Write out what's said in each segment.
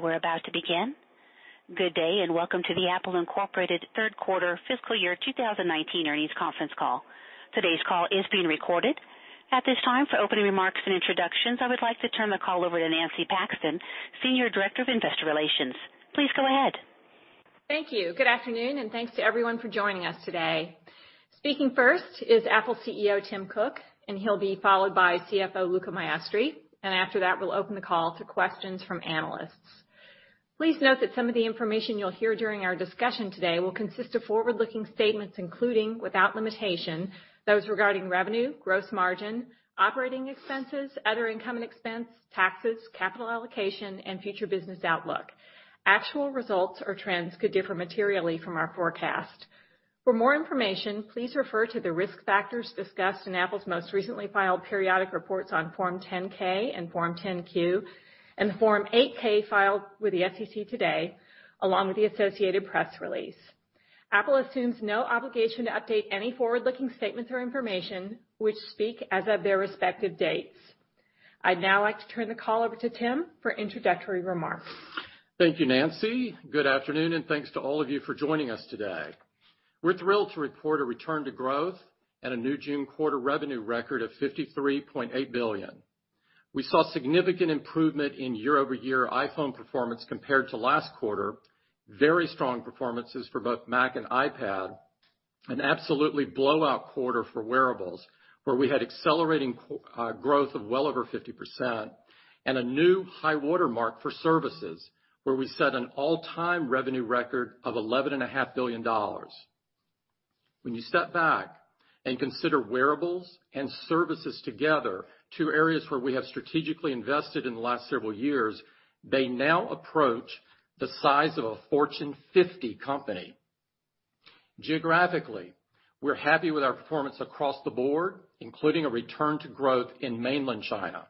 We're about to begin. Good day, welcome to the Apple Incorporated Third Quarter Fiscal Year 2019 Earnings Conference Call. Today's call is being recorded. At this time, for opening remarks and introductions, I would like to turn the call over to Nancy Paxton, Senior Director of Investor Relations. Please go ahead. Thank you. Good afternoon, thanks to everyone for joining us today. Speaking first is Apple CEO Tim Cook, and he'll be followed by CFO Luca Maestri. After that, we'll open the call to questions from analysts. Please note that some of the information you'll hear during our discussion today will consist of forward-looking statements, including, without limitation, those regarding revenue, gross margin, operating expenses, other income and expense, taxes, capital allocation, and future business outlook. Actual results or trends could differ materially from our forecast. For more information, please refer to the risk factors discussed in Apple's most recently filed periodic reports on Form 10-K and Form 10-Q, and the Form 8-K filed with the SEC today, along with the associated press release. Apple assumes no obligation to update any forward-looking statements or information, which speak as of their respective dates. I'd now like to turn the call over to Tim for introductory remarks. Thank you, Nancy. Good afternoon, and thanks to all of you for joining us today. We're thrilled to report a return to growth and a new June quarter revenue record of $53.8 billion. We saw significant improvement in year-over-year iPhone performance compared to last quarter, very strong performances for both Mac and iPad, an absolutely blowout quarter for wearables, where we had accelerating growth of well over 50%, and a new high water mark for services, where we set an all-time revenue record of $11.5 billion. When you step back and consider wearables and services together, two areas where we have strategically invested in the last several years, they now approach the size of a Fortune 50 company. Geographically, we're happy with our performance across the board, including a return to growth in mainland China.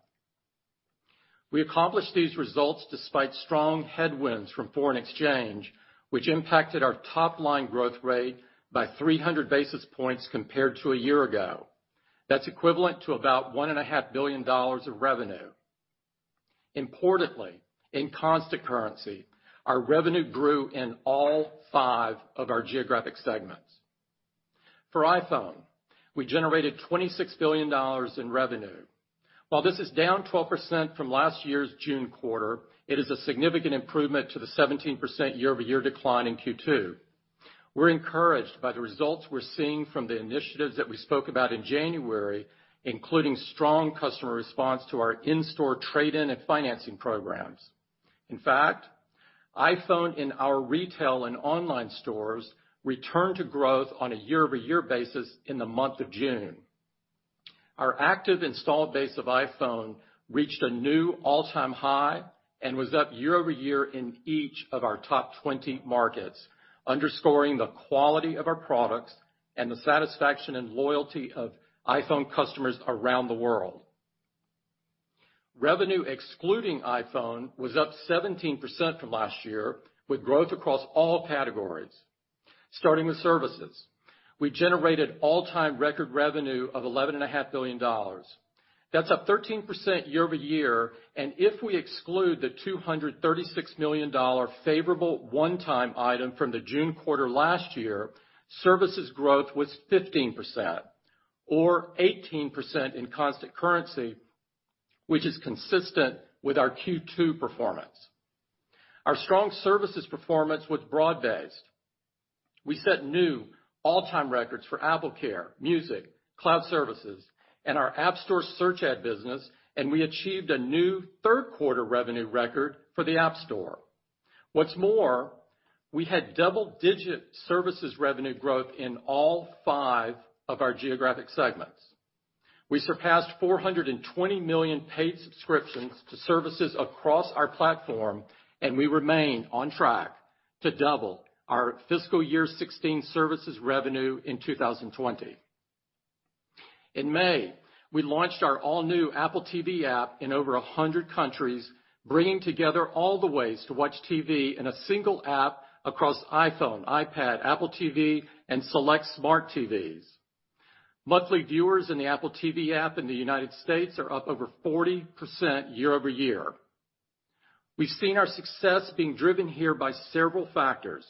We accomplished these results despite strong headwinds from foreign exchange, which impacted our top-line growth rate by 300 basis points compared to a year ago. That's equivalent to about $1.5 billion of revenue. Importantly, in constant currency, our revenue grew in all five of our geographic segments. For iPhone, we generated $26 billion in revenue. While this is down 12% from last year's June quarter, it is a significant improvement to the 17% year-over-year decline in Q2. We're encouraged by the results we're seeing from the initiatives that we spoke about in January, including strong customer response to our in-store trade-in and financing programs. In fact, iPhone in our retail and online stores returned to growth on a year-over-year basis in the month of June. Our active installed base of iPhone reached a new all-time high and was up year-over-year in each of our top 20 markets, underscoring the quality of our products and the satisfaction and loyalty of iPhone customers around the world. Revenue excluding iPhone was up 17% from last year, with growth across all categories. Starting with Services, we generated all-time record revenue of $11.5 billion. That's up 13% year-over-year, if we exclude the $236 million favorable one-time item from the June quarter last year, Services growth was 15%, or 18% in constant currency, which is consistent with our Q2 performance. Our strong Services performance was broad-based. We set new all-time records for AppleCare, Music, Cloud Services, and our App Store search ad business, we achieved a new third quarter revenue record for the App Store. What's more, we had double-digit Services revenue growth in all five of our geographic segments. We surpassed 420 million paid subscriptions to services across our platform. We remain on track to double our fiscal year 2016 services revenue in 2020. In May, we launched our all-new Apple TV app in over 100 countries, bringing together all the ways to watch TV in a single app across iPhone, iPad, Apple TV, and select smart TVs. Monthly viewers in the Apple TV app in the United States are up over 40% year-over-year. We've seen our success being driven here by several factors.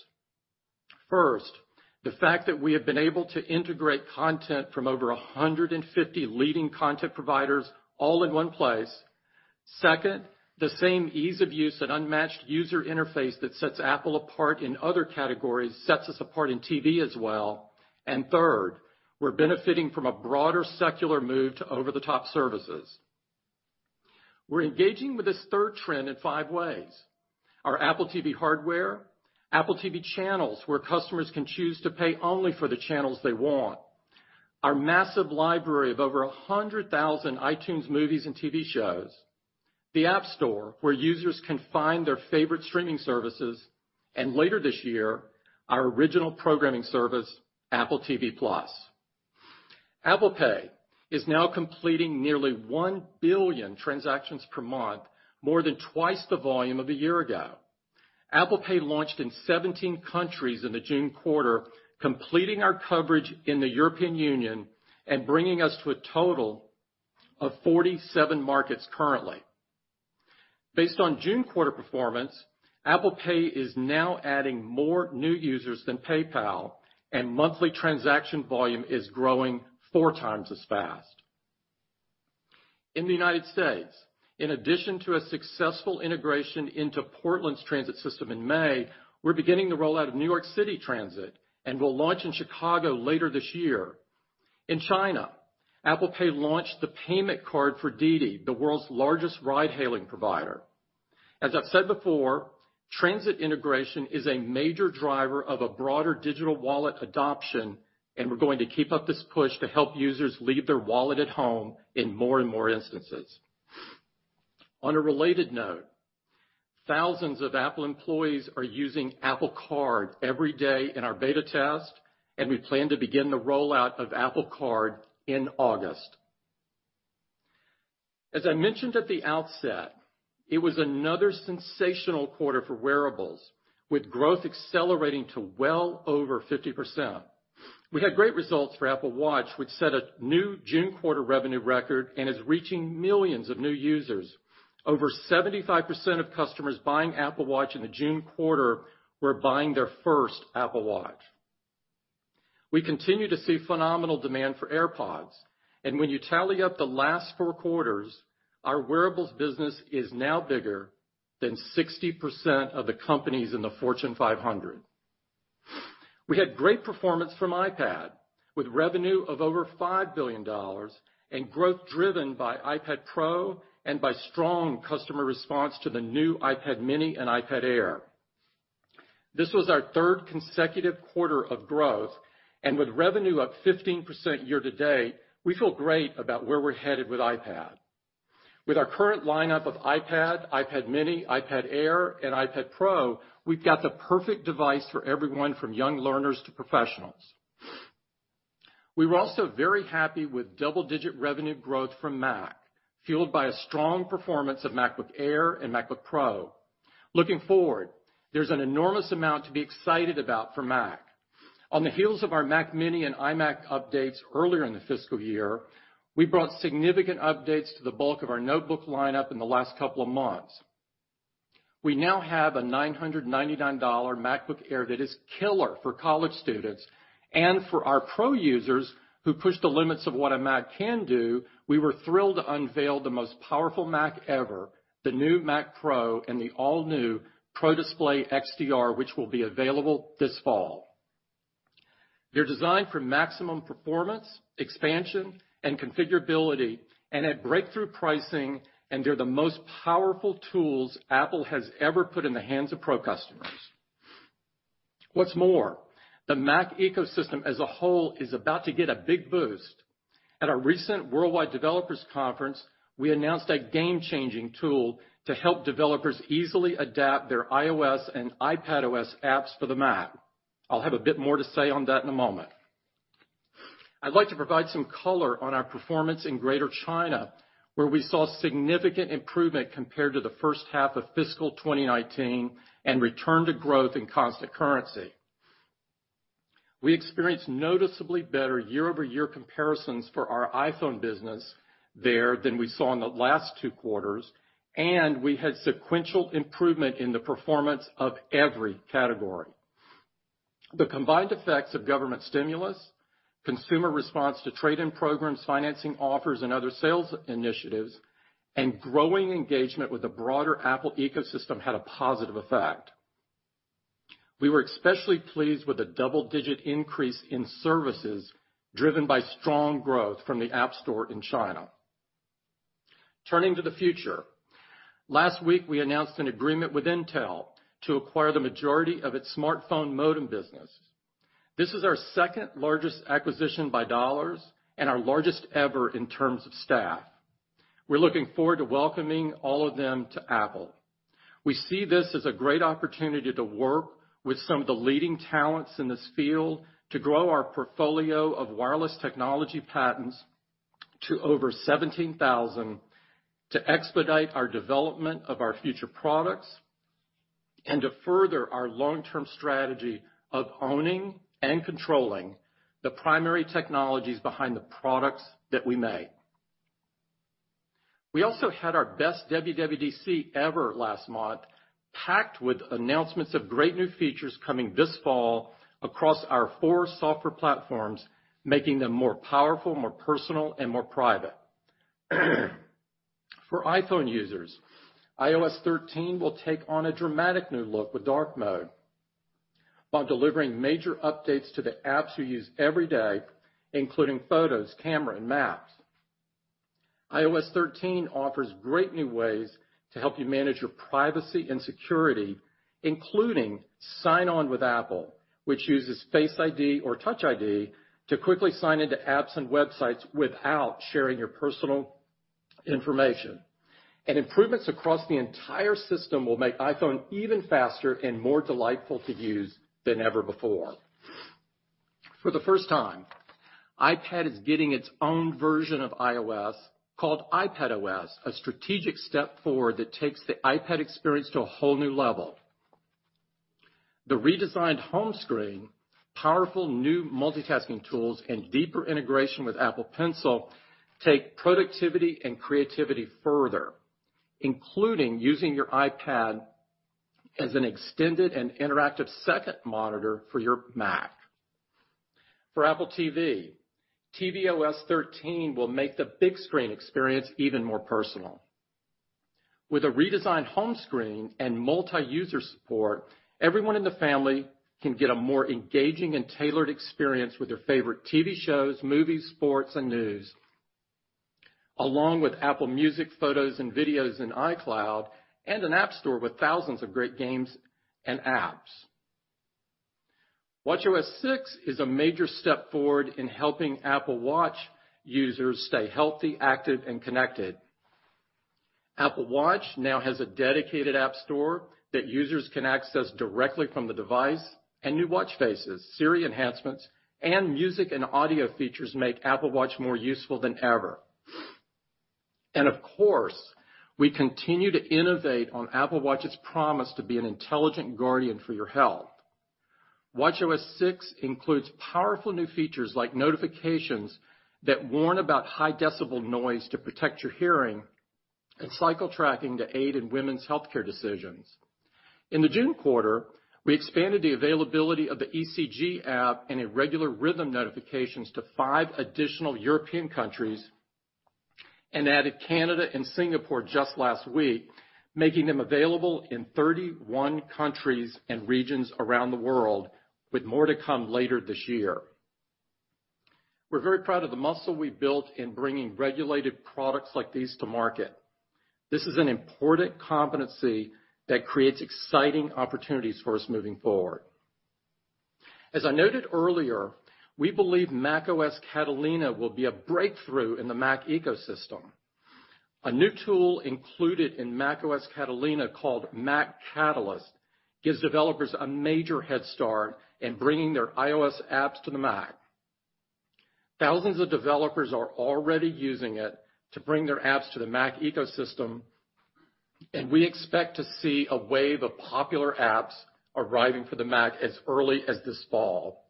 First, the fact that we have been able to integrate content from over 150 leading content providers all in one place. Second, the same ease of use and unmatched user interface that sets Apple apart in other categories sets us apart in TV as well. Third, we're benefiting from a broader secular move to over-the-top services. We're engaging with this third trend in five ways. Our Apple TV hardware, Apple TV channels, where customers can choose to pay only for the channels they want, our massive library of over 100,000 iTunes movies and TV shows, the App Store, where users can find their favorite streaming services, and later this year, our original programming service, Apple TV+. Apple Pay is now completing nearly 1 billion transactions per month, more than twice the volume of a year ago. Apple Pay launched in 17 countries in the June quarter, completing our coverage in the European Union and bringing us to a total of 47 markets currently. Based on June quarter performance, Apple Pay is now adding more new users than PayPal, and monthly transaction volume is growing 4x as fast. In the U.S., in addition to a successful integration into Portland's transit system in May, we're beginning the rollout of New York City Transit and will launch in Chicago later this year. In China, Apple Pay launched the payment card for DiDi, the world's largest ride-hailing provider. As I've said before, transit integration is a major driver of a broader digital wallet adoption, we're going to keep up this push to help users leave their wallet at home in more and more instances. On a related note, thousands of Apple employees are using Apple Card every day in our beta test, we plan to begin the rollout of Apple Card in August. As I mentioned at the outset, it was another sensational quarter for wearables, with growth accelerating to well over 50%. We had great results for Apple Watch, which set a new June quarter revenue record and is reaching millions of new users. Over 75% of customers buying Apple Watch in the June quarter were buying their first Apple Watch. We continue to see phenomenal demand for AirPods, and when you tally up the last four quarters, our wearables business is now bigger than 60% of the companies in the Fortune 500. We had great performance from iPad, with revenue of over $5 billion and growth driven by iPad Pro and by strong customer response to the new iPad mini and iPad Air. This was our third consecutive quarter of growth, and with revenue up 15% year-to-date, we feel great about where we're headed with iPad. With our current lineup of iPad mini, iPad Air, and iPad Pro, we've got the perfect device for everyone from young learners to professionals. We were also very happy with double-digit revenue growth from Mac, fueled by a strong performance of MacBook Air and MacBook Pro. Looking forward, there's an enormous amount to be excited about for Mac. On the heels of our Mac mini and iMac updates earlier in the fiscal year, we brought significant updates to the bulk of our notebook lineup in the last couple of months. We now have a $999 MacBook Air that is killer for college students. For our pro users who push the limits of what a Mac can do, we were thrilled to unveil the most powerful Mac ever, the new Mac Pro, and the all-new Pro Display XDR, which will be available this fall. They're designed for maximum performance, expansion, and configurability, and at breakthrough pricing, and they're the most powerful tools Apple has ever put in the hands of pro customers. What's more, the Mac ecosystem as a whole is about to get a big boost. At our recent Worldwide Developers Conference, we announced a game-changing tool to help developers easily adapt their iOS and iPadOS apps for the Mac. I'll have a bit more to say on that in a moment. I'd like to provide some color on our performance in Greater China, where we saw significant improvement compared to the first half of fiscal 2019 and return to growth in constant currency. We experienced noticeably better year-over-year comparisons for our iPhone business there than we saw in the last two quarters, and we had sequential improvement in the performance of every category. The combined effects of government stimulus, consumer response to trade-in programs, financing offers, and other sales initiatives, and growing engagement with the broader Apple ecosystem had a positive effect. We were especially pleased with the double-digit increase in services driven by strong growth from the App Store in China. Turning to the future, last week we announced an agreement with Intel to acquire the majority of its smartphone modem business. This is our second-largest acquisition by dollars and our largest ever in terms of staff. We're looking forward to welcoming all of them to Apple. We see this as a great opportunity to work with some of the leading talents in this field to grow our portfolio of wireless technology patents to over 17,000 to expedite our development of our future products and to further our long-term strategy of owning and controlling the primary technologies behind the products that we make. We also had our best WWDC ever last month, packed with announcements of great new features coming this fall across our four software platforms, making them more powerful, more personal, and more private. For iPhone users, iOS 13 will take on a dramatic new look with dark mode while delivering major updates to the apps you use every day, including photos, camera, and maps. iOS 13 offers great new ways to help you manage your privacy and security, including Sign In with Apple, which uses Face ID or Touch ID to quickly sign into apps and websites without sharing your personal information. Improvements across the entire system will make iPhone even faster and more delightful to use than ever before. For the first time, iPad is getting its own version of iOS, called iPadOS, a strategic step forward that takes the iPad experience to a whole new level. The redesigned home screen, powerful new multitasking tools, and deeper integration with Apple Pencil take productivity and creativity further, including using your iPad as an extended and interactive second monitor for your Mac. For Apple TV, tvOS 13 will make the big screen experience even more personal. With a redesigned home screen and multi-user support, everyone in the family can get a more engaging and tailored experience with their favorite TV shows, movies, sports, and news, along with Apple Music, photos, and videos in iCloud, and an App Store with thousands of great games and apps. watchOS 6 is a major step forward in helping Apple Watch users stay healthy, active, and connected. Apple Watch now has a dedicated App Store that users can access directly from the device, and new watch faces, Siri enhancements, and music and audio features make Apple Watch more useful than ever. Of course, we continue to innovate on Apple Watch's promise to be an intelligent guardian for your health. watchOS 6 includes powerful new features like notifications that warn about high decibel noise to protect your hearing, and cycle tracking to aid in women's healthcare decisions. In the June quarter, we expanded the availability of the ECG app and irregular rhythm notifications to five additional European countries, and added Canada and Singapore just last week, making them available in 31 countries and regions around the world, with more to come later this year. We're very proud of the muscle we've built in bringing regulated products like these to market. This is an important competency that creates exciting opportunities for us moving forward. As I noted earlier, we believe macOS Catalina will be a breakthrough in the Mac ecosystem. A new tool included in macOS Catalina called Mac Catalyst gives developers a major headstart in bringing their iOS apps to the Mac. Thousands of developers are already using it to bring their apps to the Mac ecosystem, and we expect to see a wave of popular apps arriving for the Mac as early as this fall.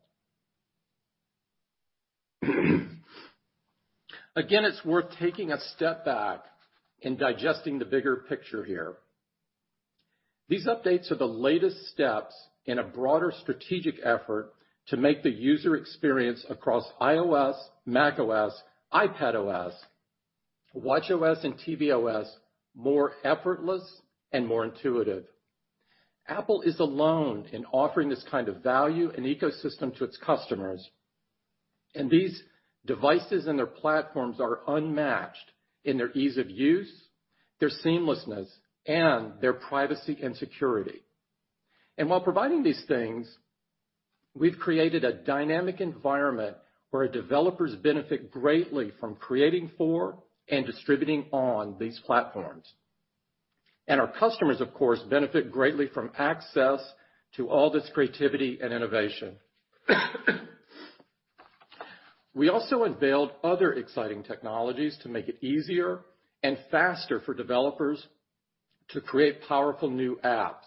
Again, it's worth taking a step back and digesting the bigger picture here. These updates are the latest steps in a broader strategic effort to make the user experience across iOS, macOS, iPadOS, watchOS, and tvOS more effortless and more intuitive. Apple is alone in offering this kind of value and ecosystem to its customers, and these devices and their platforms are unmatched in their ease of use, their seamlessness, and their privacy and security. While providing these things, we've created a dynamic environment where developers benefit greatly from creating for and distributing on these platforms. Our customers, of course, benefit greatly from access to all this creativity and innovation. We also unveiled other exciting technologies to make it easier and faster for developers to create powerful new apps.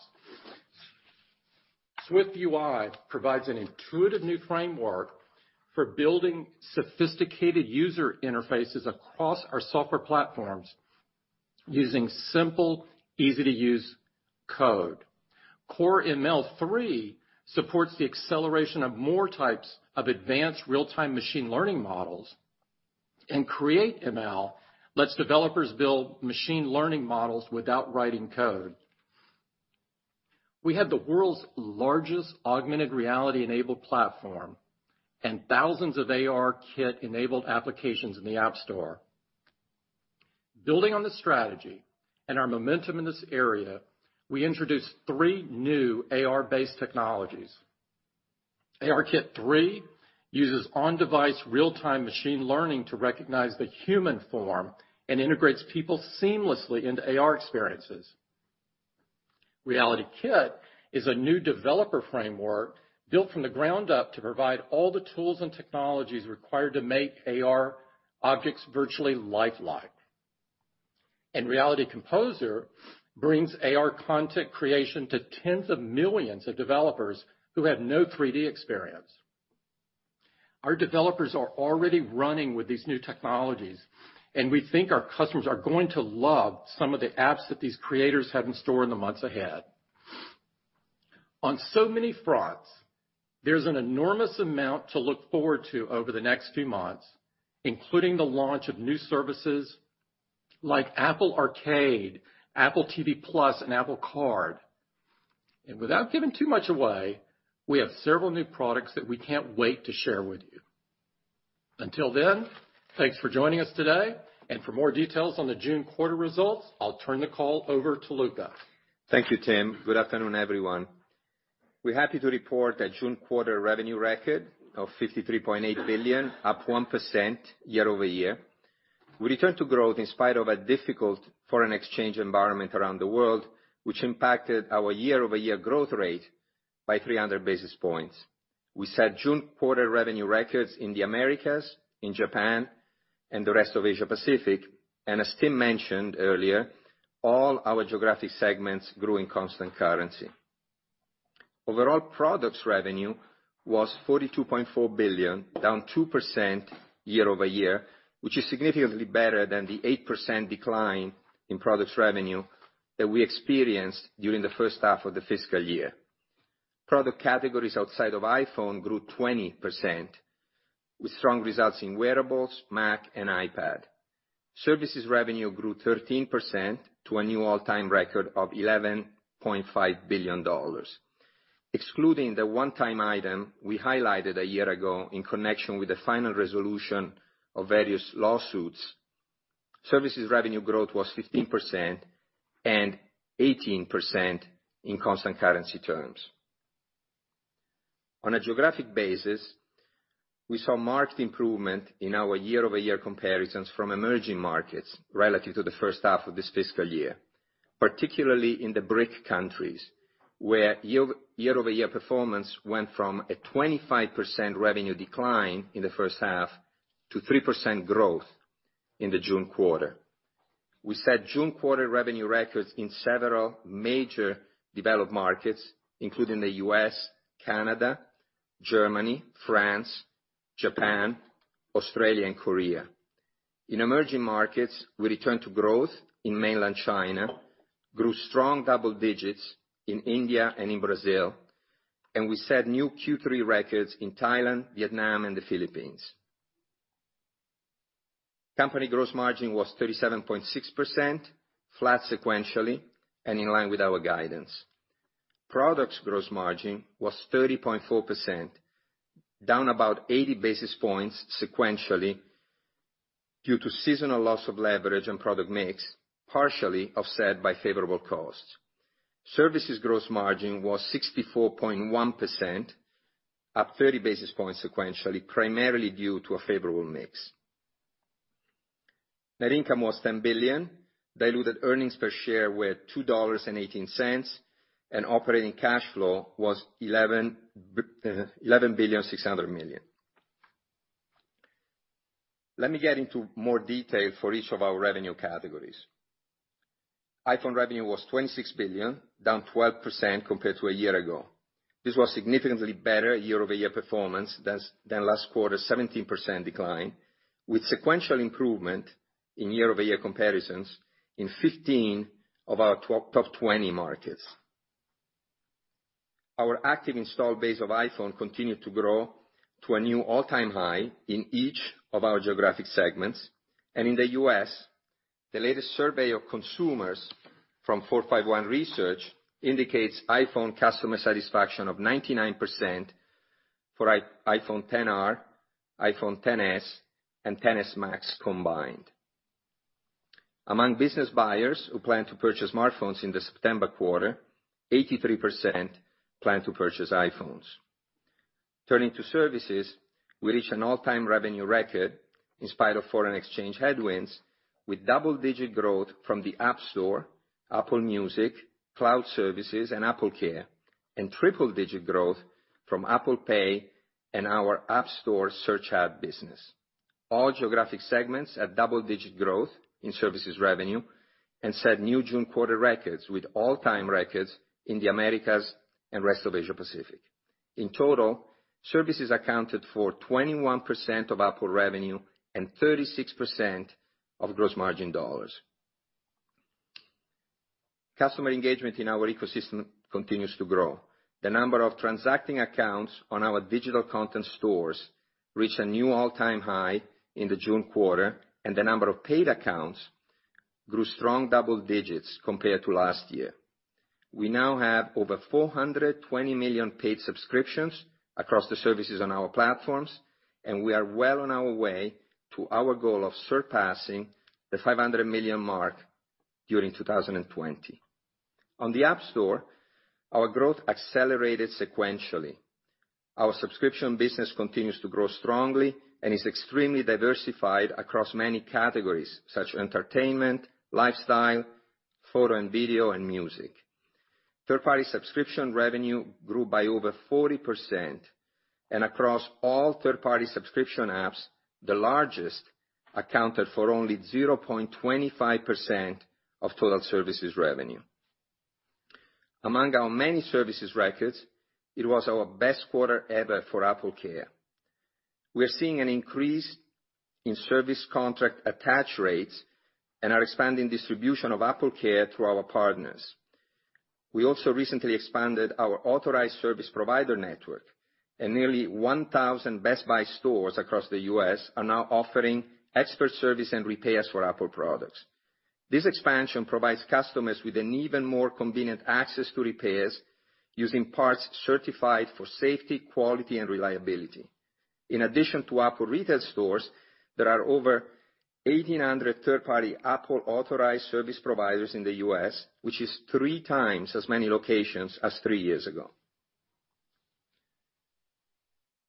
SwiftUI provides an intuitive new framework for building sophisticated user interfaces across our software platforms using simple, easy-to-use code. Core ML 3 supports the acceleration of more types of advanced real-time machine learning models, and Create ML lets developers build machine learning models without writing code. We have the world's largest augmented reality-enabled platform, and thousands of ARKit-enabled applications in the App Store. Building on the strategy and our momentum in this area, we introduced three new AR-based technologies. ARKit 3 uses on-device real-time machine learning to recognize the human form and integrates people seamlessly into AR experiences. RealityKit is a new developer framework built from the ground up to provide all the tools and technologies required to make AR objects virtually lifelike. Reality Composer brings AR content creation to tens of millions of developers who have no 3D experience. Our developers are already running with these new technologies, we think our customers are going to love some of the apps that these creators have in store in the months ahead. On so many fronts, there's an enormous amount to look forward to over the next few months, including the launch of new services like Apple Arcade, Apple TV+, and Apple Card. Without giving too much away, we have several new products that we can't wait to share with you. Until then, thanks for joining us today. For more details on the June quarter results, I'll turn the call over to Luca. Thank you, Tim. Good afternoon, everyone. We're happy to report a June quarter revenue record of $53.8 billion, up 1% year-over-year. We returned to growth in spite of a difficult foreign exchange environment around the world, which impacted our year-over-year growth rate by 300 basis points. We set June quarter revenue records in the Americas, in Japan, and the rest of Asia Pacific. As Tim mentioned earlier, all our geographic segments grew in constant currency. Overall, products revenue was $42.4 billion, down 2% year-over-year, which is significantly better than the 8% decline in products revenue that we experienced during the first half of the fiscal year. Product categories outside of iPhone grew 20%, with strong results in wearables, Mac, and iPad. Services revenue grew 13% to a new all-time record of $11.5 billion. Excluding the one-time item we highlighted a year ago in connection with the final resolution of various lawsuits, services revenue growth was 15% and 18% in constant currency terms. On a geographic basis, we saw marked improvement in our year-over-year comparisons from emerging markets relative to the first half of this fiscal year, particularly in the BRIC countries, where year-over-year performance went from a 25% revenue decline in the first half to 3% growth in the June quarter. We set June quarter revenue records in several major developed markets, including the U.S., Canada, Germany, France, Japan, Australia, and Korea. In emerging markets, we returned to growth in mainland China, grew strong double digits in India and in Brazil, and we set new Q3 records in Thailand, Vietnam, and the Philippines. Company gross margin was 37.6%, flat sequentially and in line with our guidance. Products gross margin was 30.4%, down about 80 basis points sequentially due to seasonal loss of leverage and product mix, partially offset by favorable costs. Services gross margin was 64.1%, up 30 basis points sequentially, primarily due to a favorable mix. Net income was $10 billion. Diluted earnings per share were $2.18, and operating cash flow was $11.6 billion. Let me get into more detail for each of our revenue categories. iPhone revenue was $26 billion, down 12% compared to a year ago. This was significantly better year-over-year performance than last quarter's 17% decline, with sequential improvement in year-over-year comparisons in 15 of our top 20 markets. Our active install base of iPhone continued to grow to a new all-time high in each of our geographic segments. In the U.S., the latest survey of consumers from 451 Research indicates iPhone customer satisfaction of 99% for iPhone XR, iPhone XS, and XS Max combined. Among business buyers who plan to purchase smartphones in the September quarter, 83% plan to purchase iPhones. Turning to services, we reach an all-time revenue record in spite of foreign exchange headwinds, with double-digit growth from the App Store, Apple Music, Cloud Services, and AppleCare, and triple-digit growth from Apple Pay and our App Store search ad business. All geographic segments at double-digit growth in services revenue and set new June quarter records with all-time records in the Americas and rest of Asia Pacific. In total, services accounted for 21% of Apple revenue and 36% of gross margin dollars. Customer engagement in our ecosystem continues to grow. The number of transacting accounts on our digital content stores reached a new all-time high in the June quarter, and the number of paid accounts grew strong double digits compared to last year. We now have over 420 million paid subscriptions across the services on our platforms, and we are well on our way to our goal of surpassing the 500 million mark during 2020. On the App Store, our growth accelerated sequentially. Our subscription business continues to grow strongly and is extremely diversified across many categories such as entertainment, lifestyle, photo and video, and music. Third-party subscription revenue grew by over 40%, and across all third-party subscription apps, the largest accounted for only 0.25% of total services revenue. Among our many services records, it was our best quarter ever for AppleCare. We are seeing an increase in service contract attach rates and are expanding distribution of AppleCare through our partners. We also recently expanded our authorized service provider network, and nearly 1,000 Best Buy stores across the U.S. are now offering expert service and repairs for Apple products. This expansion provides customers with an even more convenient access to repairs using parts certified for safety, quality, and reliability. In addition to Apple retail stores, there are over 1,800 third-party Apple-authorized service providers in the U.S., which is 3x as many locations as three years ago.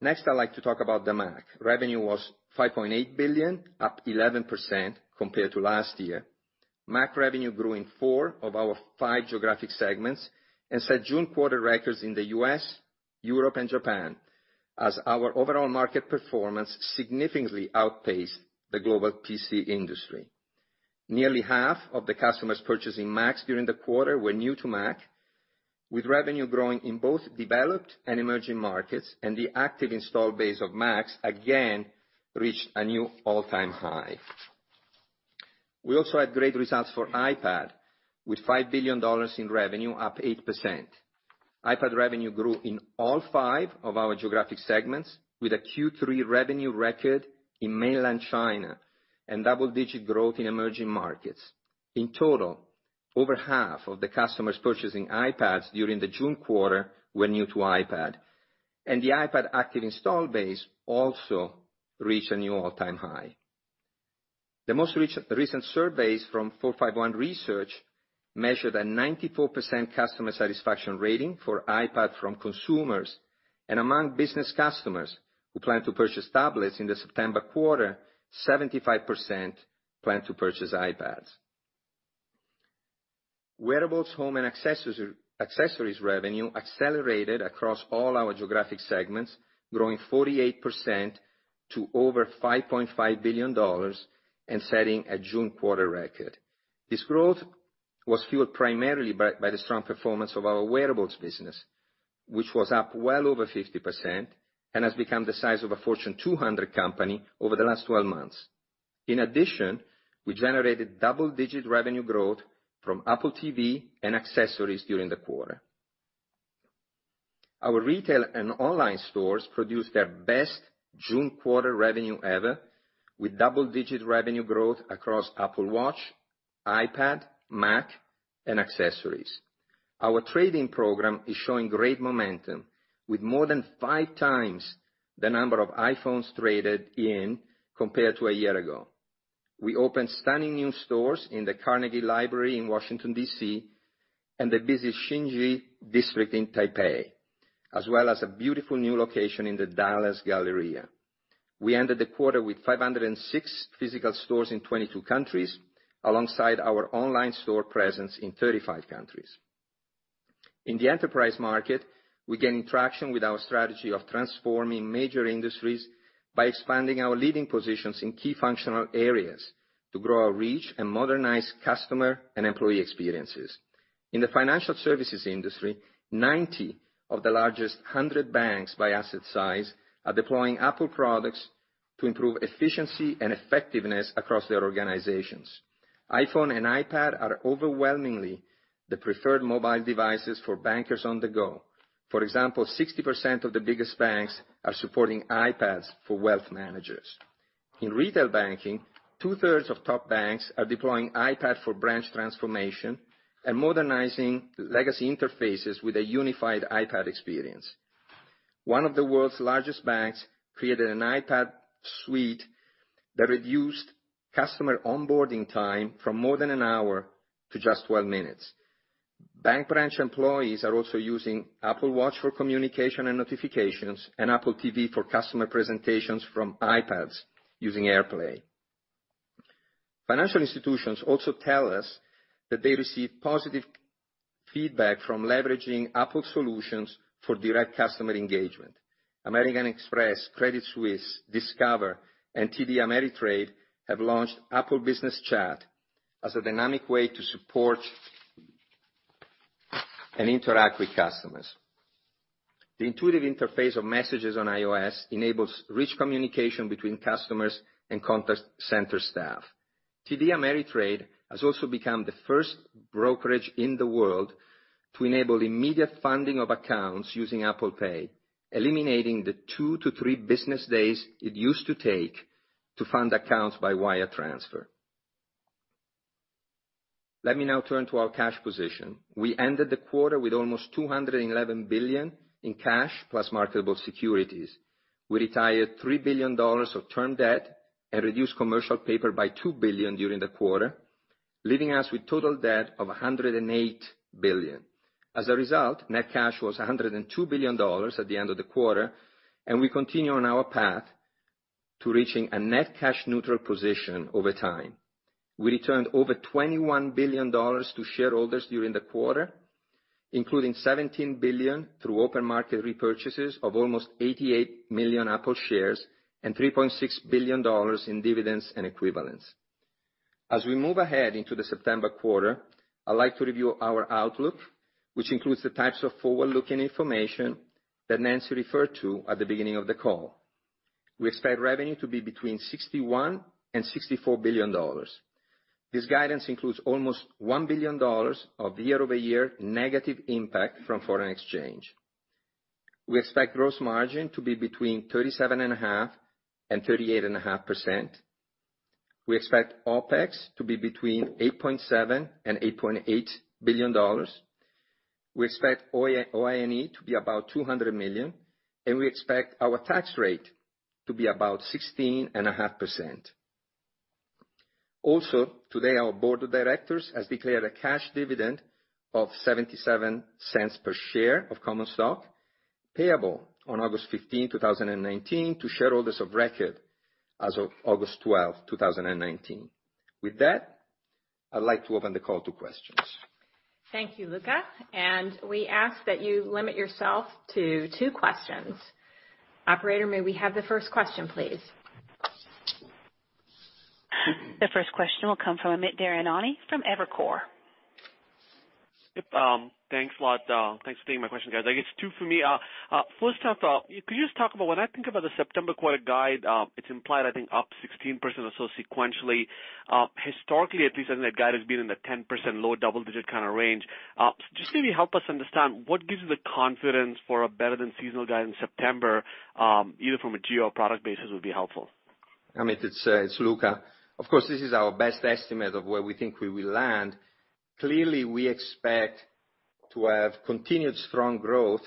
Next, I'd like to talk about the Mac. Revenue was $5.8 billion, up 11% compared to last year. Mac revenue grew in four of our five geographic segments and set June quarter records in the U.S., Europe, and Japan as our overall market performance significantly outpaced the global PC industry. Nearly 1/2 of the customers purchasing Macs during the quarter were new to Mac, with revenue growing in both developed and emerging markets, and the active install base of Macs, again, reached a new all-time high. We also had great results for iPad with $5 billion in revenue up 8%. iPad revenue grew in all five of our geographic segments with a Q3 revenue record in mainland China and double-digit growth in emerging markets. In total, over 1/2 of the customers purchasing iPads during the June quarter were new to iPad, and the iPad active install base also reached a new all-time high. The most recent surveys from 451 Research measured a 94% customer satisfaction rating for iPad from consumers and among business customers who plan to purchase tablets in the September quarter, 75% plan to purchase iPads. Wearables, home, and accessories revenue accelerated across all our geographic segments, growing 48% to over $5.5 billion and setting a June quarter record. This growth was fueled primarily by the strong performance of our wearables business, which was up well over 50% and has become the size of a Fortune 200 company over the last 12 months. In addition, we generated double-digit revenue growth from Apple TV and accessories during the quarter. Our retail and online stores produced their best June quarter revenue ever, with double-digit revenue growth across Apple Watch, iPad, Mac, and accessories. Our trading program is showing great momentum with more than 5x the number of iPhones traded in compared to a year ago. We opened stunning new stores in the Carnegie Library in Washington, D.C., and the busy Xinyi District in Taipei, as well as a beautiful new location in the Dallas Galleria. We ended the quarter with 506 physical stores in 22 countries, alongside our online store presence in 35 countries. In the enterprise market, we're gaining traction with our strategy of transforming major industries by expanding our leading positions in key functional areas to grow our reach and modernize customer and employee experiences. In the financial services industry, 90 of the largest 100 banks by asset size are deploying Apple products to improve efficiency and effectiveness across their organizations. iPhone and iPad are overwhelmingly the preferred mobile devices for bankers on the go. For example, 60% of the biggest banks are supporting iPads for wealth managers. In retail banking, 2/3 of top banks are deploying iPad for branch transformation and modernizing legacy interfaces with a unified iPad experience. One of the world's largest banks created an iPad suite that reduced customer onboarding time from more than an hour to just 12 minutes. Bank branch employees are also using Apple Watch for communication and notifications and Apple TV for customer presentations from iPads using AirPlay. Financial institutions also tell us that they receive positive feedback from leveraging Apple solutions for direct customer engagement. American Express, Credit Suisse, Discover, and TD Ameritrade have launched Apple Business Chat as a dynamic way to support and interact with customers. The intuitive interface of messages on iOS enables rich communication between customers and contact center staff. TD Ameritrade has also become the first brokerage in the world to enable immediate funding of accounts using Apple Pay, eliminating the two to three business days it used to take to fund accounts by wire transfer. Let me now turn to our cash position. We ended the quarter with almost $211 billion in cash, plus marketable securities. We retired $3 billion of term debt and reduced commercial paper by $2 billion during the quarter, leaving us with total debt of $108 billion. A result, net cash was $102 billion at the end of the quarter, and we continue on our path to reaching a net cash neutral position over time. We returned over $21 billion to shareholders during the quarter, including $17 billion through open market repurchases of almost 88 million Apple shares and $3.6 billion in dividends and equivalents. We move ahead into the September quarter, I'd like to review our outlook, which includes the types of forward-looking information that Nancy referred to at the beginning of the call. We expect revenue to be between $61 billion and $64 billion. This guidance includes almost $1 billion of the year-over-year negative impact from foreign exchange. We expect gross margin to be between 37.5% and 38.5%. We expect OPEX to be between $8.7 billion and $8.8 billion. We expect OINE to be about $200 million, and we expect our tax rate to be about 16.5%. Also, today our board of directors has declared a cash dividend of $0.77 per share of common stock payable on August 15, 2019, to shareholders of record as of August 12, 2019. With that, I'd like to open the call to questions. Thank you, Luca, and we ask that you limit yourself to two questions. Operator, may we have the first question, please? The first question will come from Amit Daryanani from Evercore. Yep. Thanks a lot. Thanks for taking my question, guys. I guess two for me. First off, could you just talk about when I think about the September quarter guide, it's implied, I think up 16% or so sequentially. Historically, at least, I think that guide has been in the 10% low double-digit kind of range. Just maybe help us understand what gives you the confidence for a better than seasonal guide in September, either from a geo product basis would be helpful. Amit, it's Luca. Of course, this is our best estimate of where we think we will land. Clearly, we expect to have continued strong growth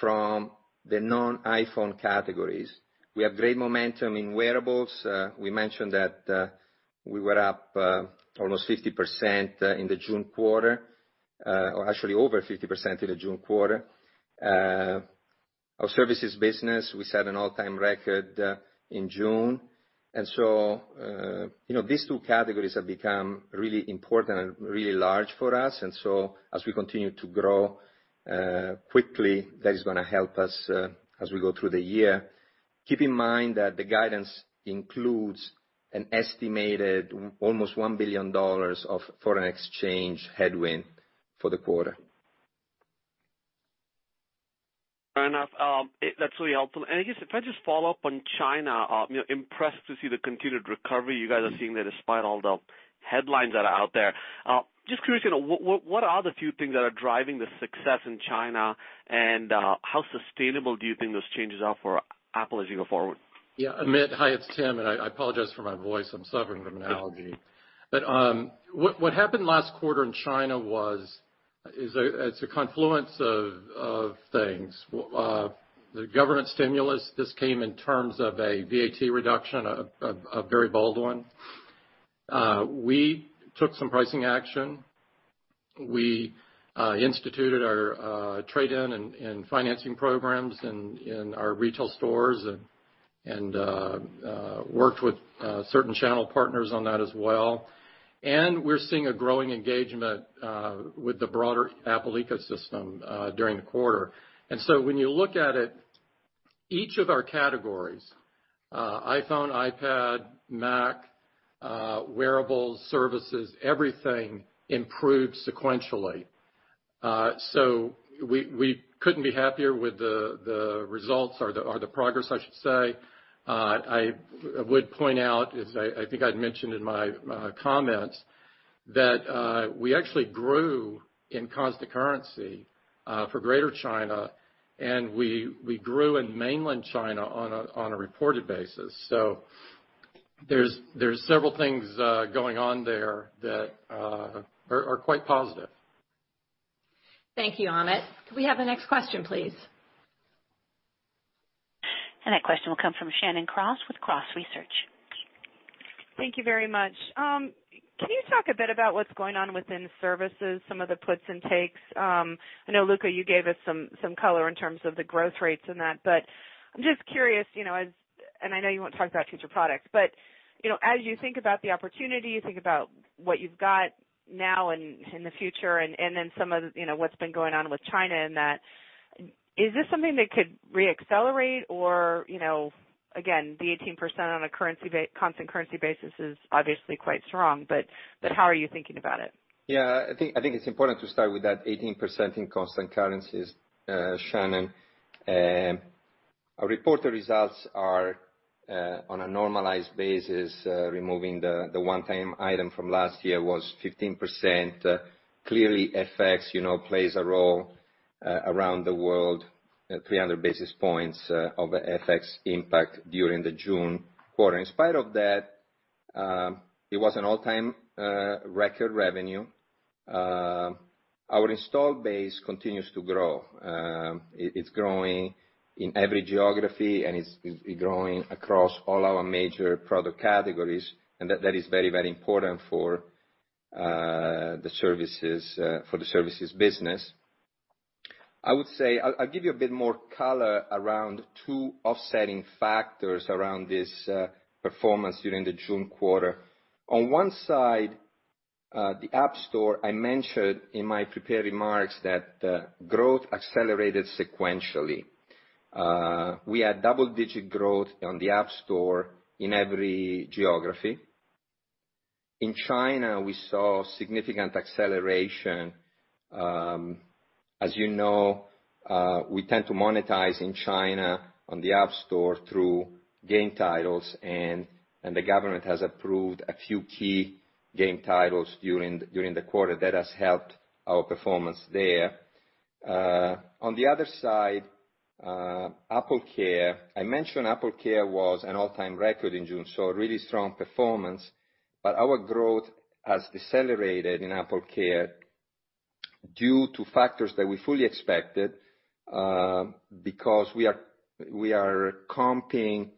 from the non-iPhone categories. We have great momentum in wearables. We mentioned that we were up almost 50% in the June quarter, or actually over 50% in the June quarter. Our services business, we set an all-time record in June. These two categories have become really important and really large for us. As we continue to grow quickly, that is going to help us as we go through the year. Keep in mind that the guidance includes an estimated almost $1 billion of foreign exchange headwind for the quarter. Fair enough. That's really helpful. I guess if I just follow up on China, I'm impressed to see the continued recovery you guys are seeing there, despite all the headlines that are out there. Just curious, what are the few things that are driving the success in China, and how sustainable do you think those changes are for Apple as you go forward? Yeah. Amit, hi, it's Tim, and I apologize for my voice. I'm suffering from an allergy. What happened last quarter in China it's a confluence of things. The government stimulus, this came in terms of a VAT reduction, a very bold one. We took some pricing action. We instituted our trade-in and financing programs in our retail stores and worked with certain channel partners on that as well. We're seeing a growing engagement with the broader Apple ecosystem during the quarter. When you look at it, each of our categories, iPhone, iPad, Mac, wearables, services, everything improved sequentially. We couldn't be happier with the results or the progress, I should say. I would point out is, I think I'd mentioned in my comments that we actually grew in constant currency for greater China, and we grew in mainland China on a reported basis. There's several things going on there that are quite positive. Thank you, Amit. Could we have the next question, please? That question will come from Shannon Cross with Cross Research. Thank you very much. Can you talk a bit about what's going on within services, some of the puts and takes? I know, Luca, you gave us some color in terms of the growth rates in that, but I'm just curious, and I know you won't talk about future products, but as you think about the opportunity, think about what you've got now and in the future, and then some of what's been going on with China and that, is this something that could re-accelerate or, again, the 18% on a constant currency basis is obviously quite strong, but how are you thinking about it? Yeah. I think it's important to start with that 18% in constant currencies, Shannon. Our reported results are on a normalized basis, removing the one-time item from last year was 15%. Clearly, FX plays a role around the world, 300 basis points of FX impact during the June quarter. In spite of that, it was an all-time record revenue. Our install base continues to grow. It's growing in every geography, and it's growing across all our major product categories, and that is very important for the services business. I'll give you a bit more color around two offsetting factors around this performance during the June quarter. On one side, the App Store, I mentioned in my prepared remarks that growth accelerated sequentially. We had double-digit growth on the App Store in every geography. In China, we saw significant acceleration. As you know, we tend to monetize in China on the App Store through game titles, and the government has approved a few key game titles during the quarter. That has helped our performance there. On the other side, AppleCare, I mentioned AppleCare was an all-time record in June, so a really strong performance, but our growth has decelerated in AppleCare due to factors that we fully expected. We are comping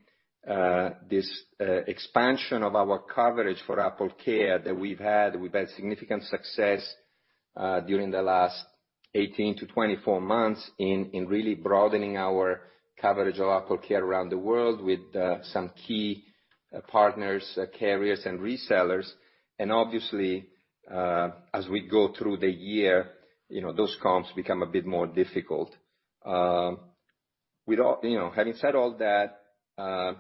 this expansion of our coverage for AppleCare that we've had significant success during the last 18-24 months in really broadening our coverage of AppleCare around the world with some key partners, carriers and resellers. Obviously, as we go through the year, those comps become a bit more difficult. Having said all that,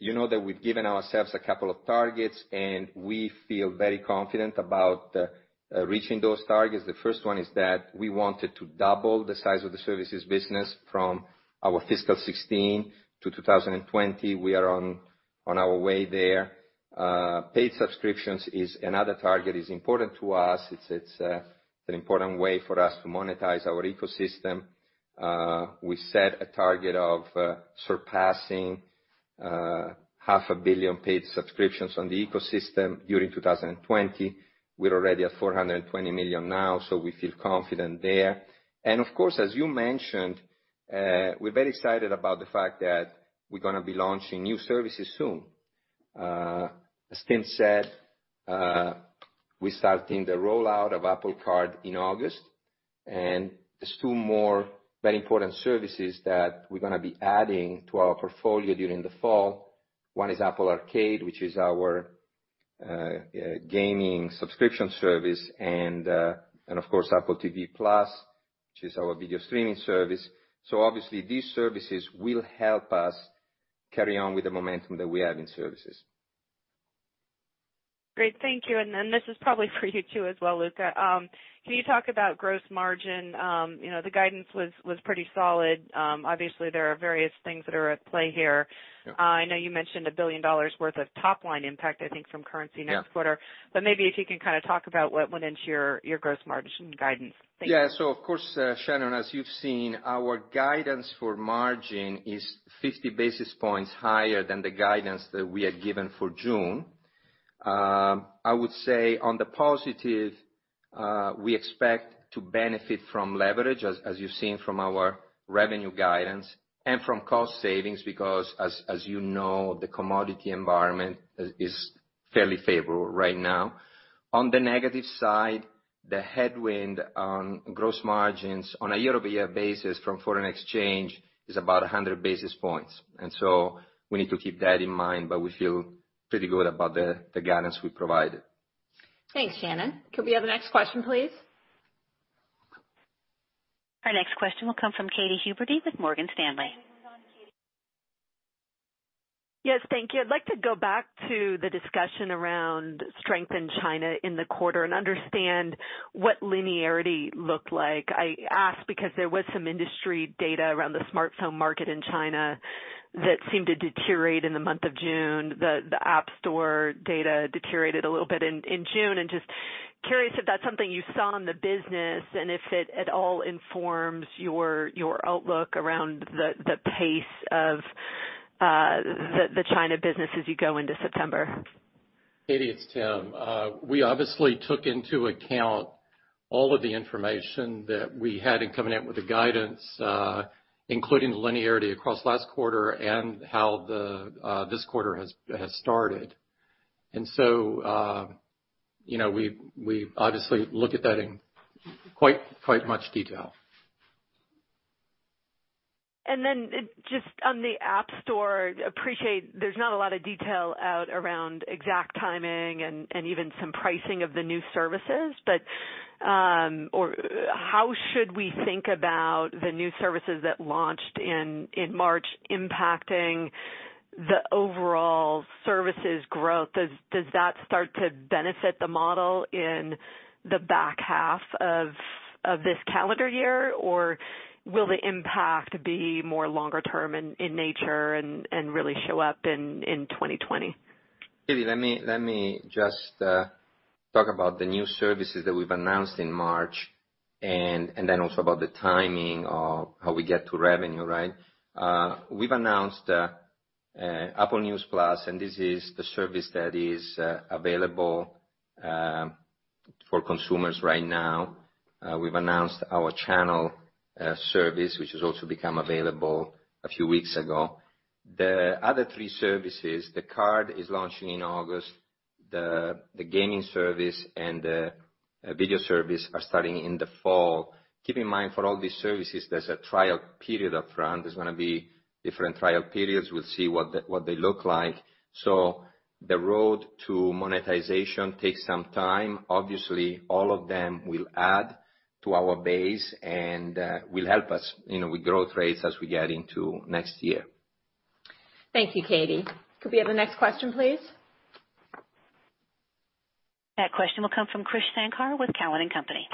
you know that we've given ourselves a couple of targets, and we feel very confident about reaching those targets. The first one is that we wanted to double the size of the services business from our fiscal 2016 to 2020. We are on our way there. Paid subscriptions is another target, is important to us. It's an important way for us to monetize our ecosystem. We set a target of surpassing 500 million paid subscriptions on the ecosystem during 2020. We're already at 420 million now. We feel confident there. Of course, as you mentioned, we're very excited about the fact that we're going to be launching new services soon. As Tim said, we're starting the rollout of Apple Card in August. There's two more very important services that we're going to be adding to our portfolio during the fall. One is Apple Arcade, which is our gaming subscription service. Of course, Apple TV+, which is our video streaming service. Obviously these services will help us carry on with the momentum that we have in services. Great, thank you. This is probably for you too as well, Luca. Can you talk about gross margin? The guidance was pretty solid. Obviously, there are various things that are at play here. Yeah. I know you mentioned $1 billion worth of top-line impact, I think, from currency next quarter. Yeah. Maybe if you can kind of talk about what went into your gross margin guidance. Thank you. Of course, Shannon, as you've seen, our guidance for margin is 50 basis points higher than the guidance that we had given for June. I would say on the positive, we expect to benefit from leverage, as you've seen from our revenue guidance and from cost savings, because as you know, the commodity environment is fairly favorable right now. On the negative side, the headwind on gross margins on a year-over-year basis from foreign exchange is about 100 basis points. We need to keep that in mind, but we feel pretty good about the guidance we provided. Thanks, Shannon. Could we have the next question, please? Our next question will come from Katy Huberty with Morgan Stanley. Yes, thank you. I'd like to go back to the discussion around strength in China in the quarter and understand what linearity looked like. I ask because there was some industry data around the smartphone market in China that seemed to deteriorate in the month of June. The App Store data deteriorated a little bit in June, just curious if that's something you saw in the business, and if it at all informs your outlook around the pace of the China business as you go into September. Katy, it's Tim. We obviously took into account all of the information that we had in coming out with the guidance, including the linearity across last quarter and how this quarter has started. We obviously look at that in quite much detail. Just on the App Store, appreciate there's not a lot of detail out around exact timing and even some pricing of the new services, but how should we think about the new services that launched in March impacting the overall services growth? Does that start to benefit the model in the back half of this calendar year, or will the impact be more longer term in nature and really show up in 2020? Katy, let me just talk about the new services that we've announced in March and then also about the timing of how we get to revenue, right? We've announced Apple News+, and this is the service that is available for consumers right now. We've announced our channel service, which has also become available a few weeks ago. The other three services, the Card is launching in August, the gaming service and the video service are starting in the fall. Keep in mind, for all these services, there's a trial period up front. There's going to be different trial periods. We'll see what they look like. The road to monetization takes some time. Obviously, all of them will add to our base and will help us with growth rates as we get into next year. Thank you, Katy. Could we have the next question, please? That question will come from Krish Sankar with Cowen and Company.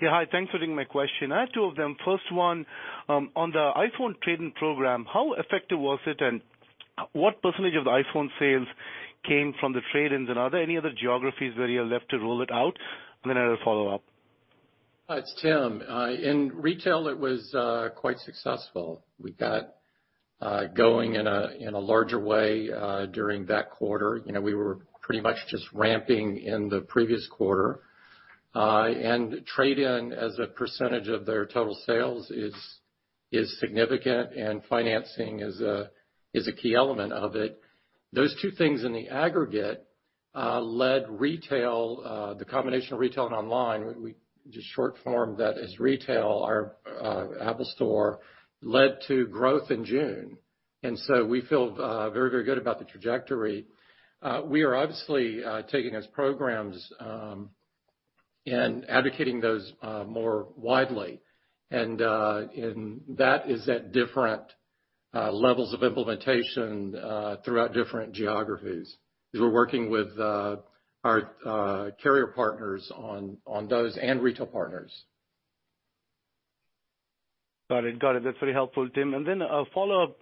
Yeah, hi. Thanks for taking my question. I have two of them. First one, on the iPhone trade-in program, how effective was it, and what percentage of the iPhone sales came from the trade-ins? Are there any other geographies where you're left to roll it out? I have a follow-up. It's Tim. In retail, it was quite successful. We going in a larger way during that quarter. We were pretty much just ramping in the previous quarter. Trade-in as a percentage of their total sales is significant, and financing is a key element of it. Those two things in the aggregate led retail, the combination of retail and online, we just short form that as retail, our Apple Store, led to growth in June. We feel very good about the trajectory. We are obviously taking those programs and advocating those more widely. That is at different levels of implementation throughout different geographies, as we're working with our carrier partners on those and retail partners. Got it. That's very helpful, Tim. Then a follow-up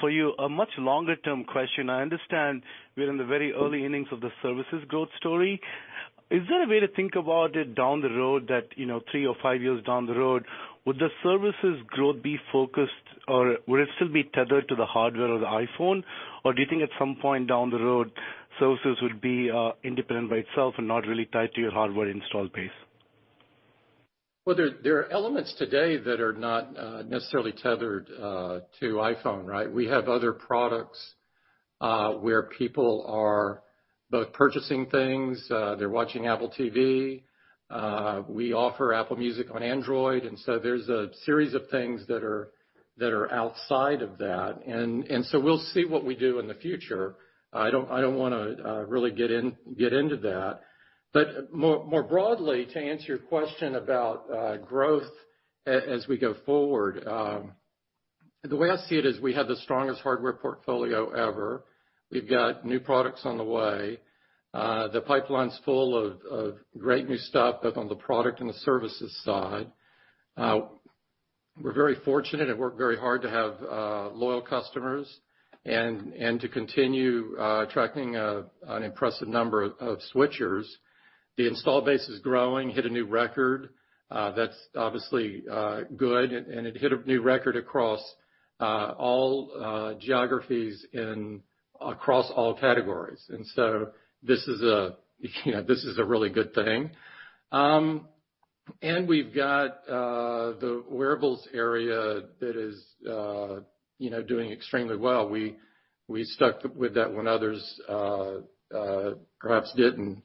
for you, a much longer term question. I understand we're in the very early innings of the services growth story. Is there a way to think about it down the road that, three or five years down the road, would the services growth be focused or would it still be tethered to the hardware of the iPhone? Do you think at some point down the road, services would be independent by itself and not really tied to your hardware install base? There are elements today that are not necessarily tethered to iPhone, right? We have other products where people are both purchasing things, they're watching Apple TV, we offer Apple Music on Android, there's a series of things that are outside of that, we'll see what we do in the future. I don't want to really get into that. More broadly, to answer your question about growth as we go forward, the way I see it is we have the strongest hardware portfolio ever. We've got new products on the way. The pipeline's full of great new stuff, both on the product and the services side. We're very fortunate and work very hard to have loyal customers and to continue attracting an impressive number of switchers. The install base is growing, hit a new record. That's obviously good, and it hit a new record across all geographies and across all categories. This is a really good thing. We've got the wearables area that is doing extremely well. We stuck with that when others perhaps didn't,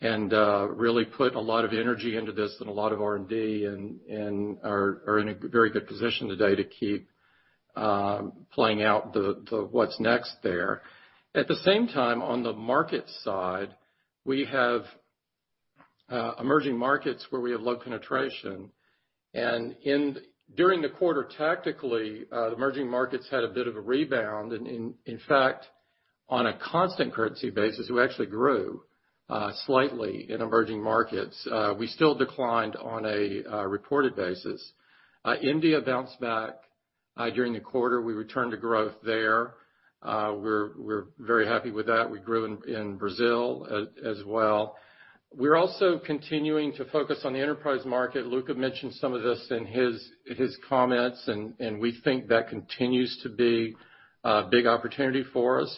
and really put a lot of energy into this and a lot of R&D and are in a very good position today to keep playing out the what's next there. At the same time, on the market side, we have emerging markets where we have low penetration. During the quarter tactically, the emerging markets had a bit of a rebound. In fact, on a constant currency basis, we actually grew slightly in emerging markets. We still declined on a reported basis. India bounced back during the quarter. We returned to growth there. We're very happy with that. We grew in Brazil as well. We're also continuing to focus on the enterprise market. Luca mentioned some of this in his comments, and we think that continues to be a big opportunity for us.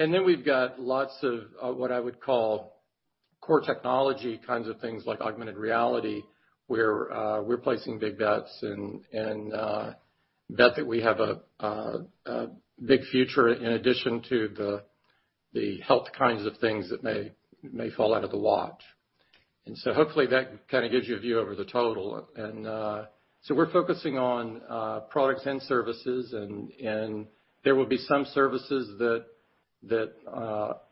We've got lots of what I would call core technology kinds of things like augmented reality, where we're placing big bets and bet that we have a big future in addition to the health kinds of things that may fall out of the watch. Hopefully that kind of gives you a view over the total. We're focusing on products and services, and there will be some services that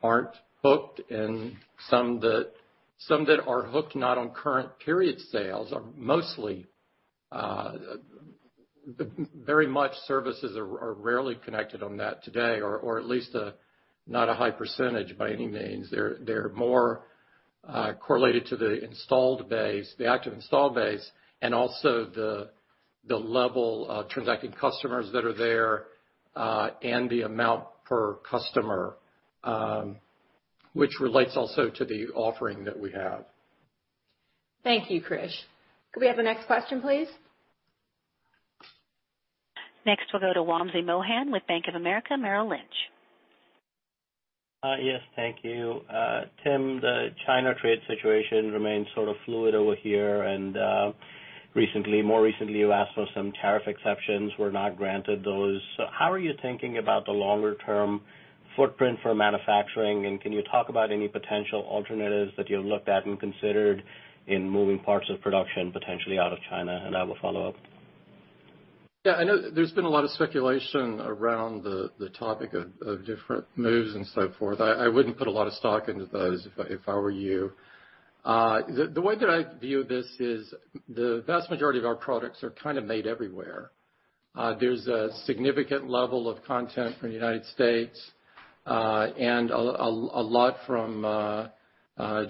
aren't hooked and some that are hooked not on current period sales, or mostly. Very much services are rarely connected on that today, or at least not a high percentage by any means. They're more correlated to the active install base and also the level of transacting customers that are there, and the amount per customer, which relates also to the offering that we have. Thank you, Krish. Could we have the next question, please? Next, we'll go to Wamsi Mohan with Bank of America Merrill Lynch. Yes. Thank you. Tim, the China trade situation remains sort of fluid over here. More recently, you asked for some tariff exceptions, were not granted those. How are you thinking about the longer term footprint for manufacturing, and can you talk about any potential alternatives that you have looked at and considered in moving parts of production potentially out of China? I will follow up. Yeah, I know there's been a lot of speculation around the topic of different moves and so forth. I wouldn't put a lot of stock into those if I were you. The way that I view this is the vast majority of our products are kind of made everywhere. There's a significant level of content from the United States, and a lot from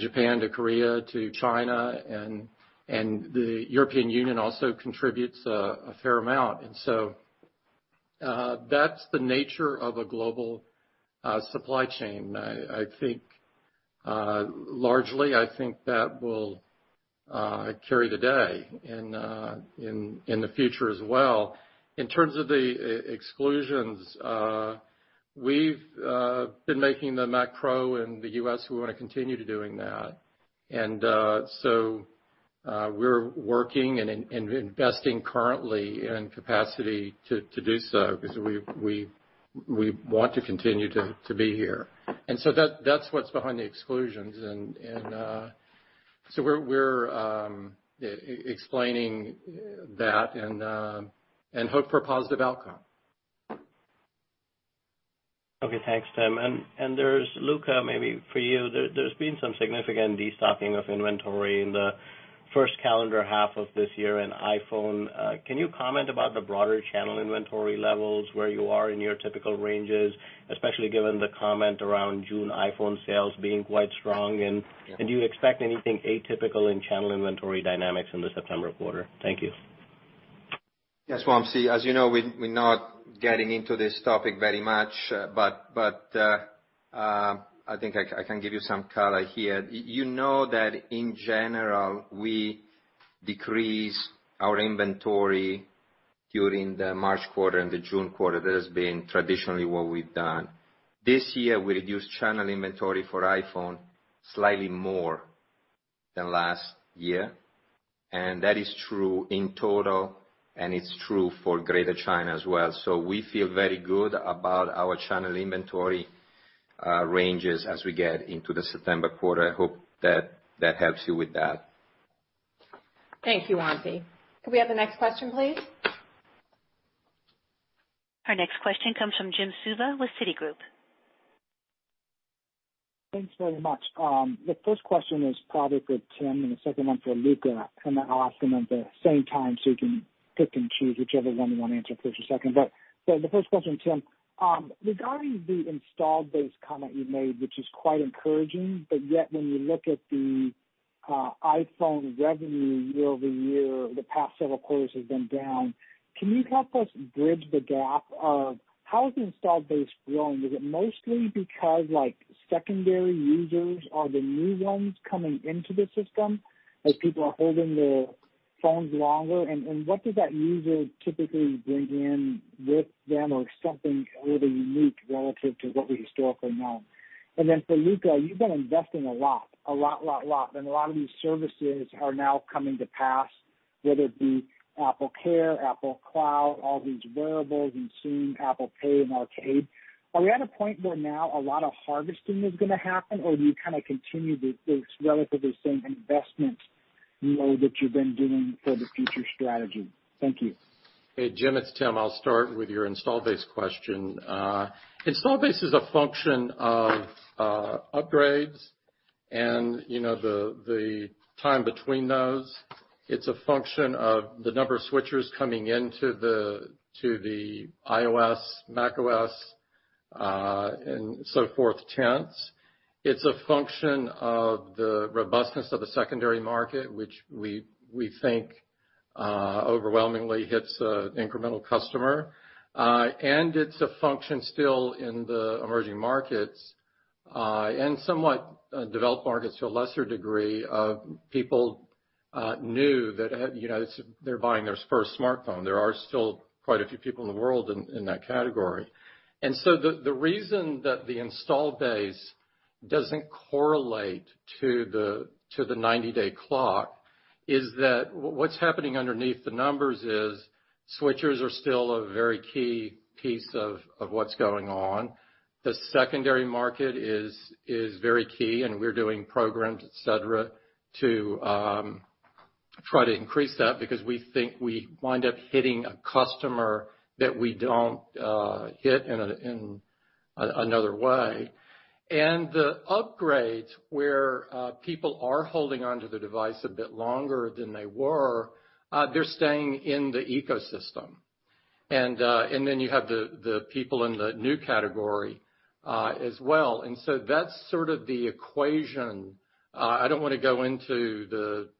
Japan to Korea to China, and the European Union also contributes a fair amount. That's the nature of a global supply chain. I think, largely, I think that will carry the day in the future as well. In terms of the exclusions, we've been making the Mac Pro in the U.S., we want to continue to doing that. We're working and investing currently in capacity to do so because we want to continue to be here. That's what's behind the exclusions. We're explaining that and hope for a positive outcome. Okay. Thanks, Tim. Luca, maybe for you, there's been some significant destocking of inventory in the first calendar half of this year in iPhone. Can you comment about the broader channel inventory levels, where you are in your typical ranges, especially given the comment around June iPhone sales being quite strong? Do you expect anything atypical in channel inventory dynamics in the September quarter? Thank you. Yes. Wamsi, as you know, we're not getting into this topic very much, but I think I can give you some color here. You know that in general, we decrease our inventory during the March quarter and the June quarter. That has been traditionally what we've done. This year, we reduced channel inventory for iPhone slightly more than last year, and that is true in total, and it's true for Greater China as well. We feel very good about our channel inventory ranges as we get into the September quarter. I hope that helps you with that. Thank you, Wamsi. Could we have the next question, please? Our next question comes from Jim Suva with Citigroup. Thanks very much. The first question is probably for Tim and the second one for Luca, then I'll ask them at the same time, so you can pick and choose whichever one you want to answer first or second. The first question, Tim, regarding the installed base comment you made, which is quite encouraging, but yet when you look at the iPhone revenue year-over-year, the past several quarters has been down. Can you help us bridge the gap of how has the installed base grown? Is it mostly because secondary users are the new ones coming into the system as people are holding their phones longer? What does that user typically bring in with them or something a little unique relative to what we historically know? Then for Luca, you've been investing a lot. A lot of these services are now coming to pass, whether it be AppleCare, Apple Cloud, all these wearables, and soon Apple Pay and Arcade. Are we at a point where now a lot of harvesting is going to happen, or do you continue this relatively same investment mode that you've been doing for the future strategy? Thank you. Hey, Jim, it's Tim. I'll start with your install base question. Install base is a function of upgrades and the time between those. It's a function of the number of switchers coming into the iOS, macOS, and so forth, tenants. It's a function of the robustness of the secondary market, which we think overwhelmingly hits incremental customer. It's a function still in the emerging markets, and somewhat developed markets to a lesser degree of people, new, they're buying their first smartphone. There are still quite a few people in the world in that category. The reason that the install base doesn't correlate to the 90-day clock is that what's happening underneath the numbers is switchers are still a very key piece of what's going on. The secondary market is very key and we're doing programs, et cetera, to try to increase that because we think we wind up hitting a customer that we don't hit in another way. The upgrades where people are holding onto the device a bit longer than they were, they're staying in the ecosystem. You have the people in the new category as well. That's sort of the equation. I don't want to go into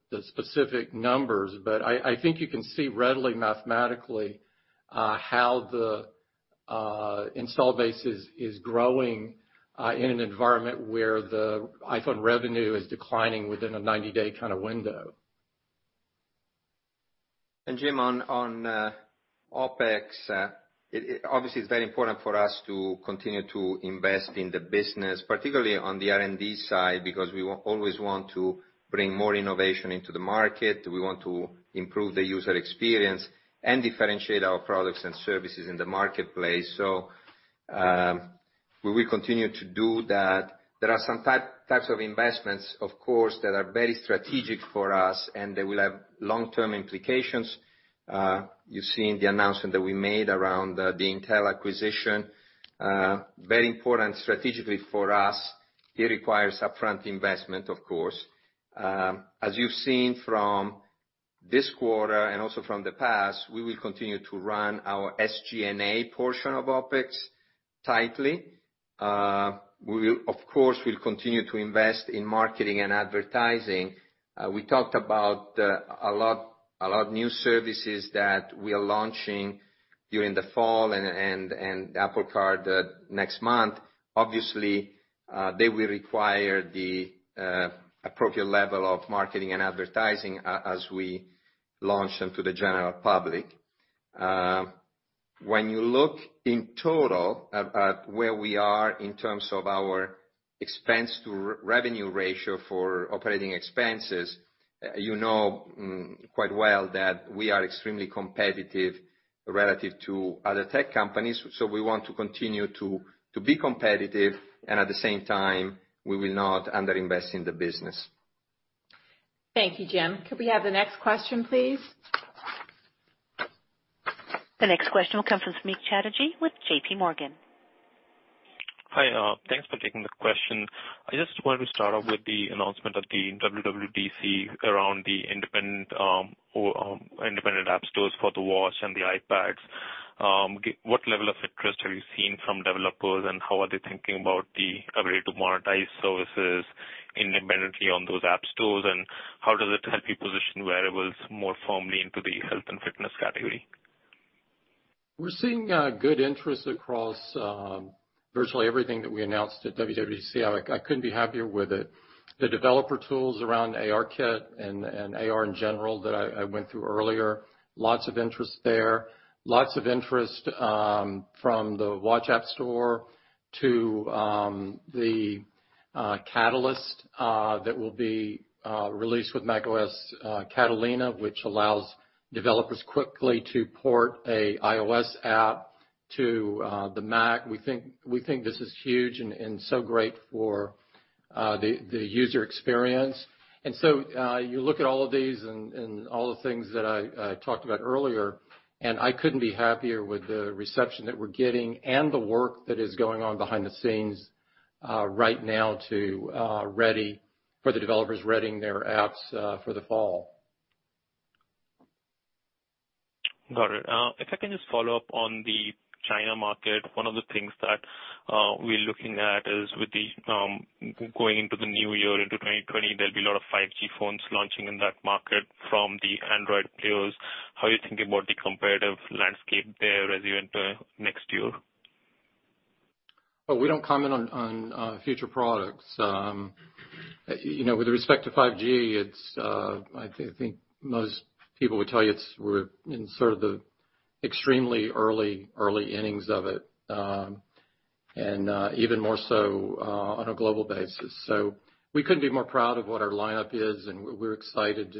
the specific numbers, but I think you can see readily mathematically how the install base is growing in an environment where the iPhone revenue is declining within a 90-day kind of window. Jim, on OPEX, obviously it's very important for us to continue to invest in the business, particularly on the R&D side, because we always want to bring more innovation into the market. We want to improve the user experience and differentiate our products and services in the marketplace. We will continue to do that. There are some types of investments, of course, that are very strategic for us, and they will have long-term implications. You've seen the announcement that we made around the Intel acquisition. Very important strategically for us. It requires upfront investment, of course. As you've seen from this quarter and also from the past, we will continue to run our SG&A portion of OPEX tightly. We'll continue to invest in marketing and advertising. We talked about a lot of new services that we are launching. During the fall and Apple Card next month, obviously, they will require the appropriate level of marketing and advertising as we launch them to the general public. When you look in total at where we are in terms of our expense to revenue ratio for operating expenses, you know quite well that we are extremely competitive relative to other tech companies. We want to continue to be competitive, and at the same time, we will not under-invest in the business. Thank you, Jim. Could we have the next question, please? The next question will come from Samik Chatterjee with JPMorgan. Hi. Thanks for taking the question. I just wanted to start off with the announcement of the WWDC around the independent App Stores for the Watch and the iPads. What level of interest have you seen from developers, and how are they thinking about the ability to monetize services independently on those App Stores? How does it help you position wearables more firmly into the health and fitness category? We're seeing good interest across virtually everything that we announced at WWDC. I couldn't be happier with it. The developer tools around ARKit and AR in general that I went through earlier, lots of interest there. Lots of interest from the Watch App Store to the Catalyst that will be released with macOS Catalina, which allows developers quickly to port a iOS app to the Mac. We think this is huge and so great for the user experience. You look at all of these and all the things that I talked about earlier, and I couldn't be happier with the reception that we're getting and the work that is going on behind the scenes right now for the developers readying their apps for the fall. Got it. If I can just follow up on the China market, one of the things that we're looking at is with the going into the new year, into 2020, there will be a lot of 5G phones launching in that market from the Android players. How are you thinking about the competitive landscape there as you enter next year? We don't comment on future products. With respect to 5G, I think most people would tell you we're in sort of the extremely early innings of it, and even more so on a global basis. We couldn't be more proud of what our lineup is, and we're excited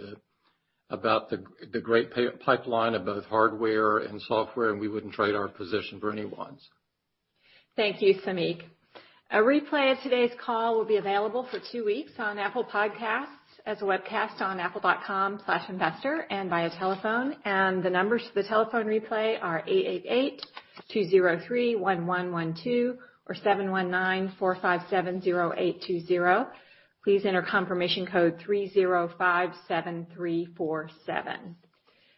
about the great pipeline of both hardware and software, and we wouldn't trade our position for anyone's. Thank you, Samik. A replay of today's call will be available for two weeks on Apple Podcasts, as a webcast on apple.com/investor, and via telephone. The numbers to the telephone replay are 888-203-1112 or 719-457-0820. Please enter confirmation code 3057347.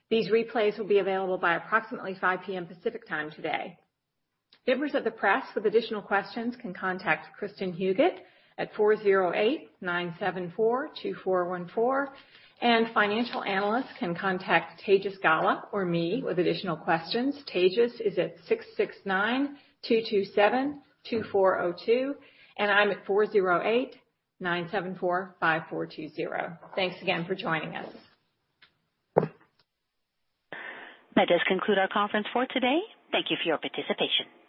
These replays will be available by approximately 5:00 P.M. Pacific Time today. Members of the press with additional questions can contact Kristin Huguet at 408-974-2414. Financial analysts can contact Tejas Gala or me with additional questions. Tejas is at 669-227-2402, and I'm at 408-974-5420. Thanks again for joining us. That does conclude our conference for today. Thank you for your participation.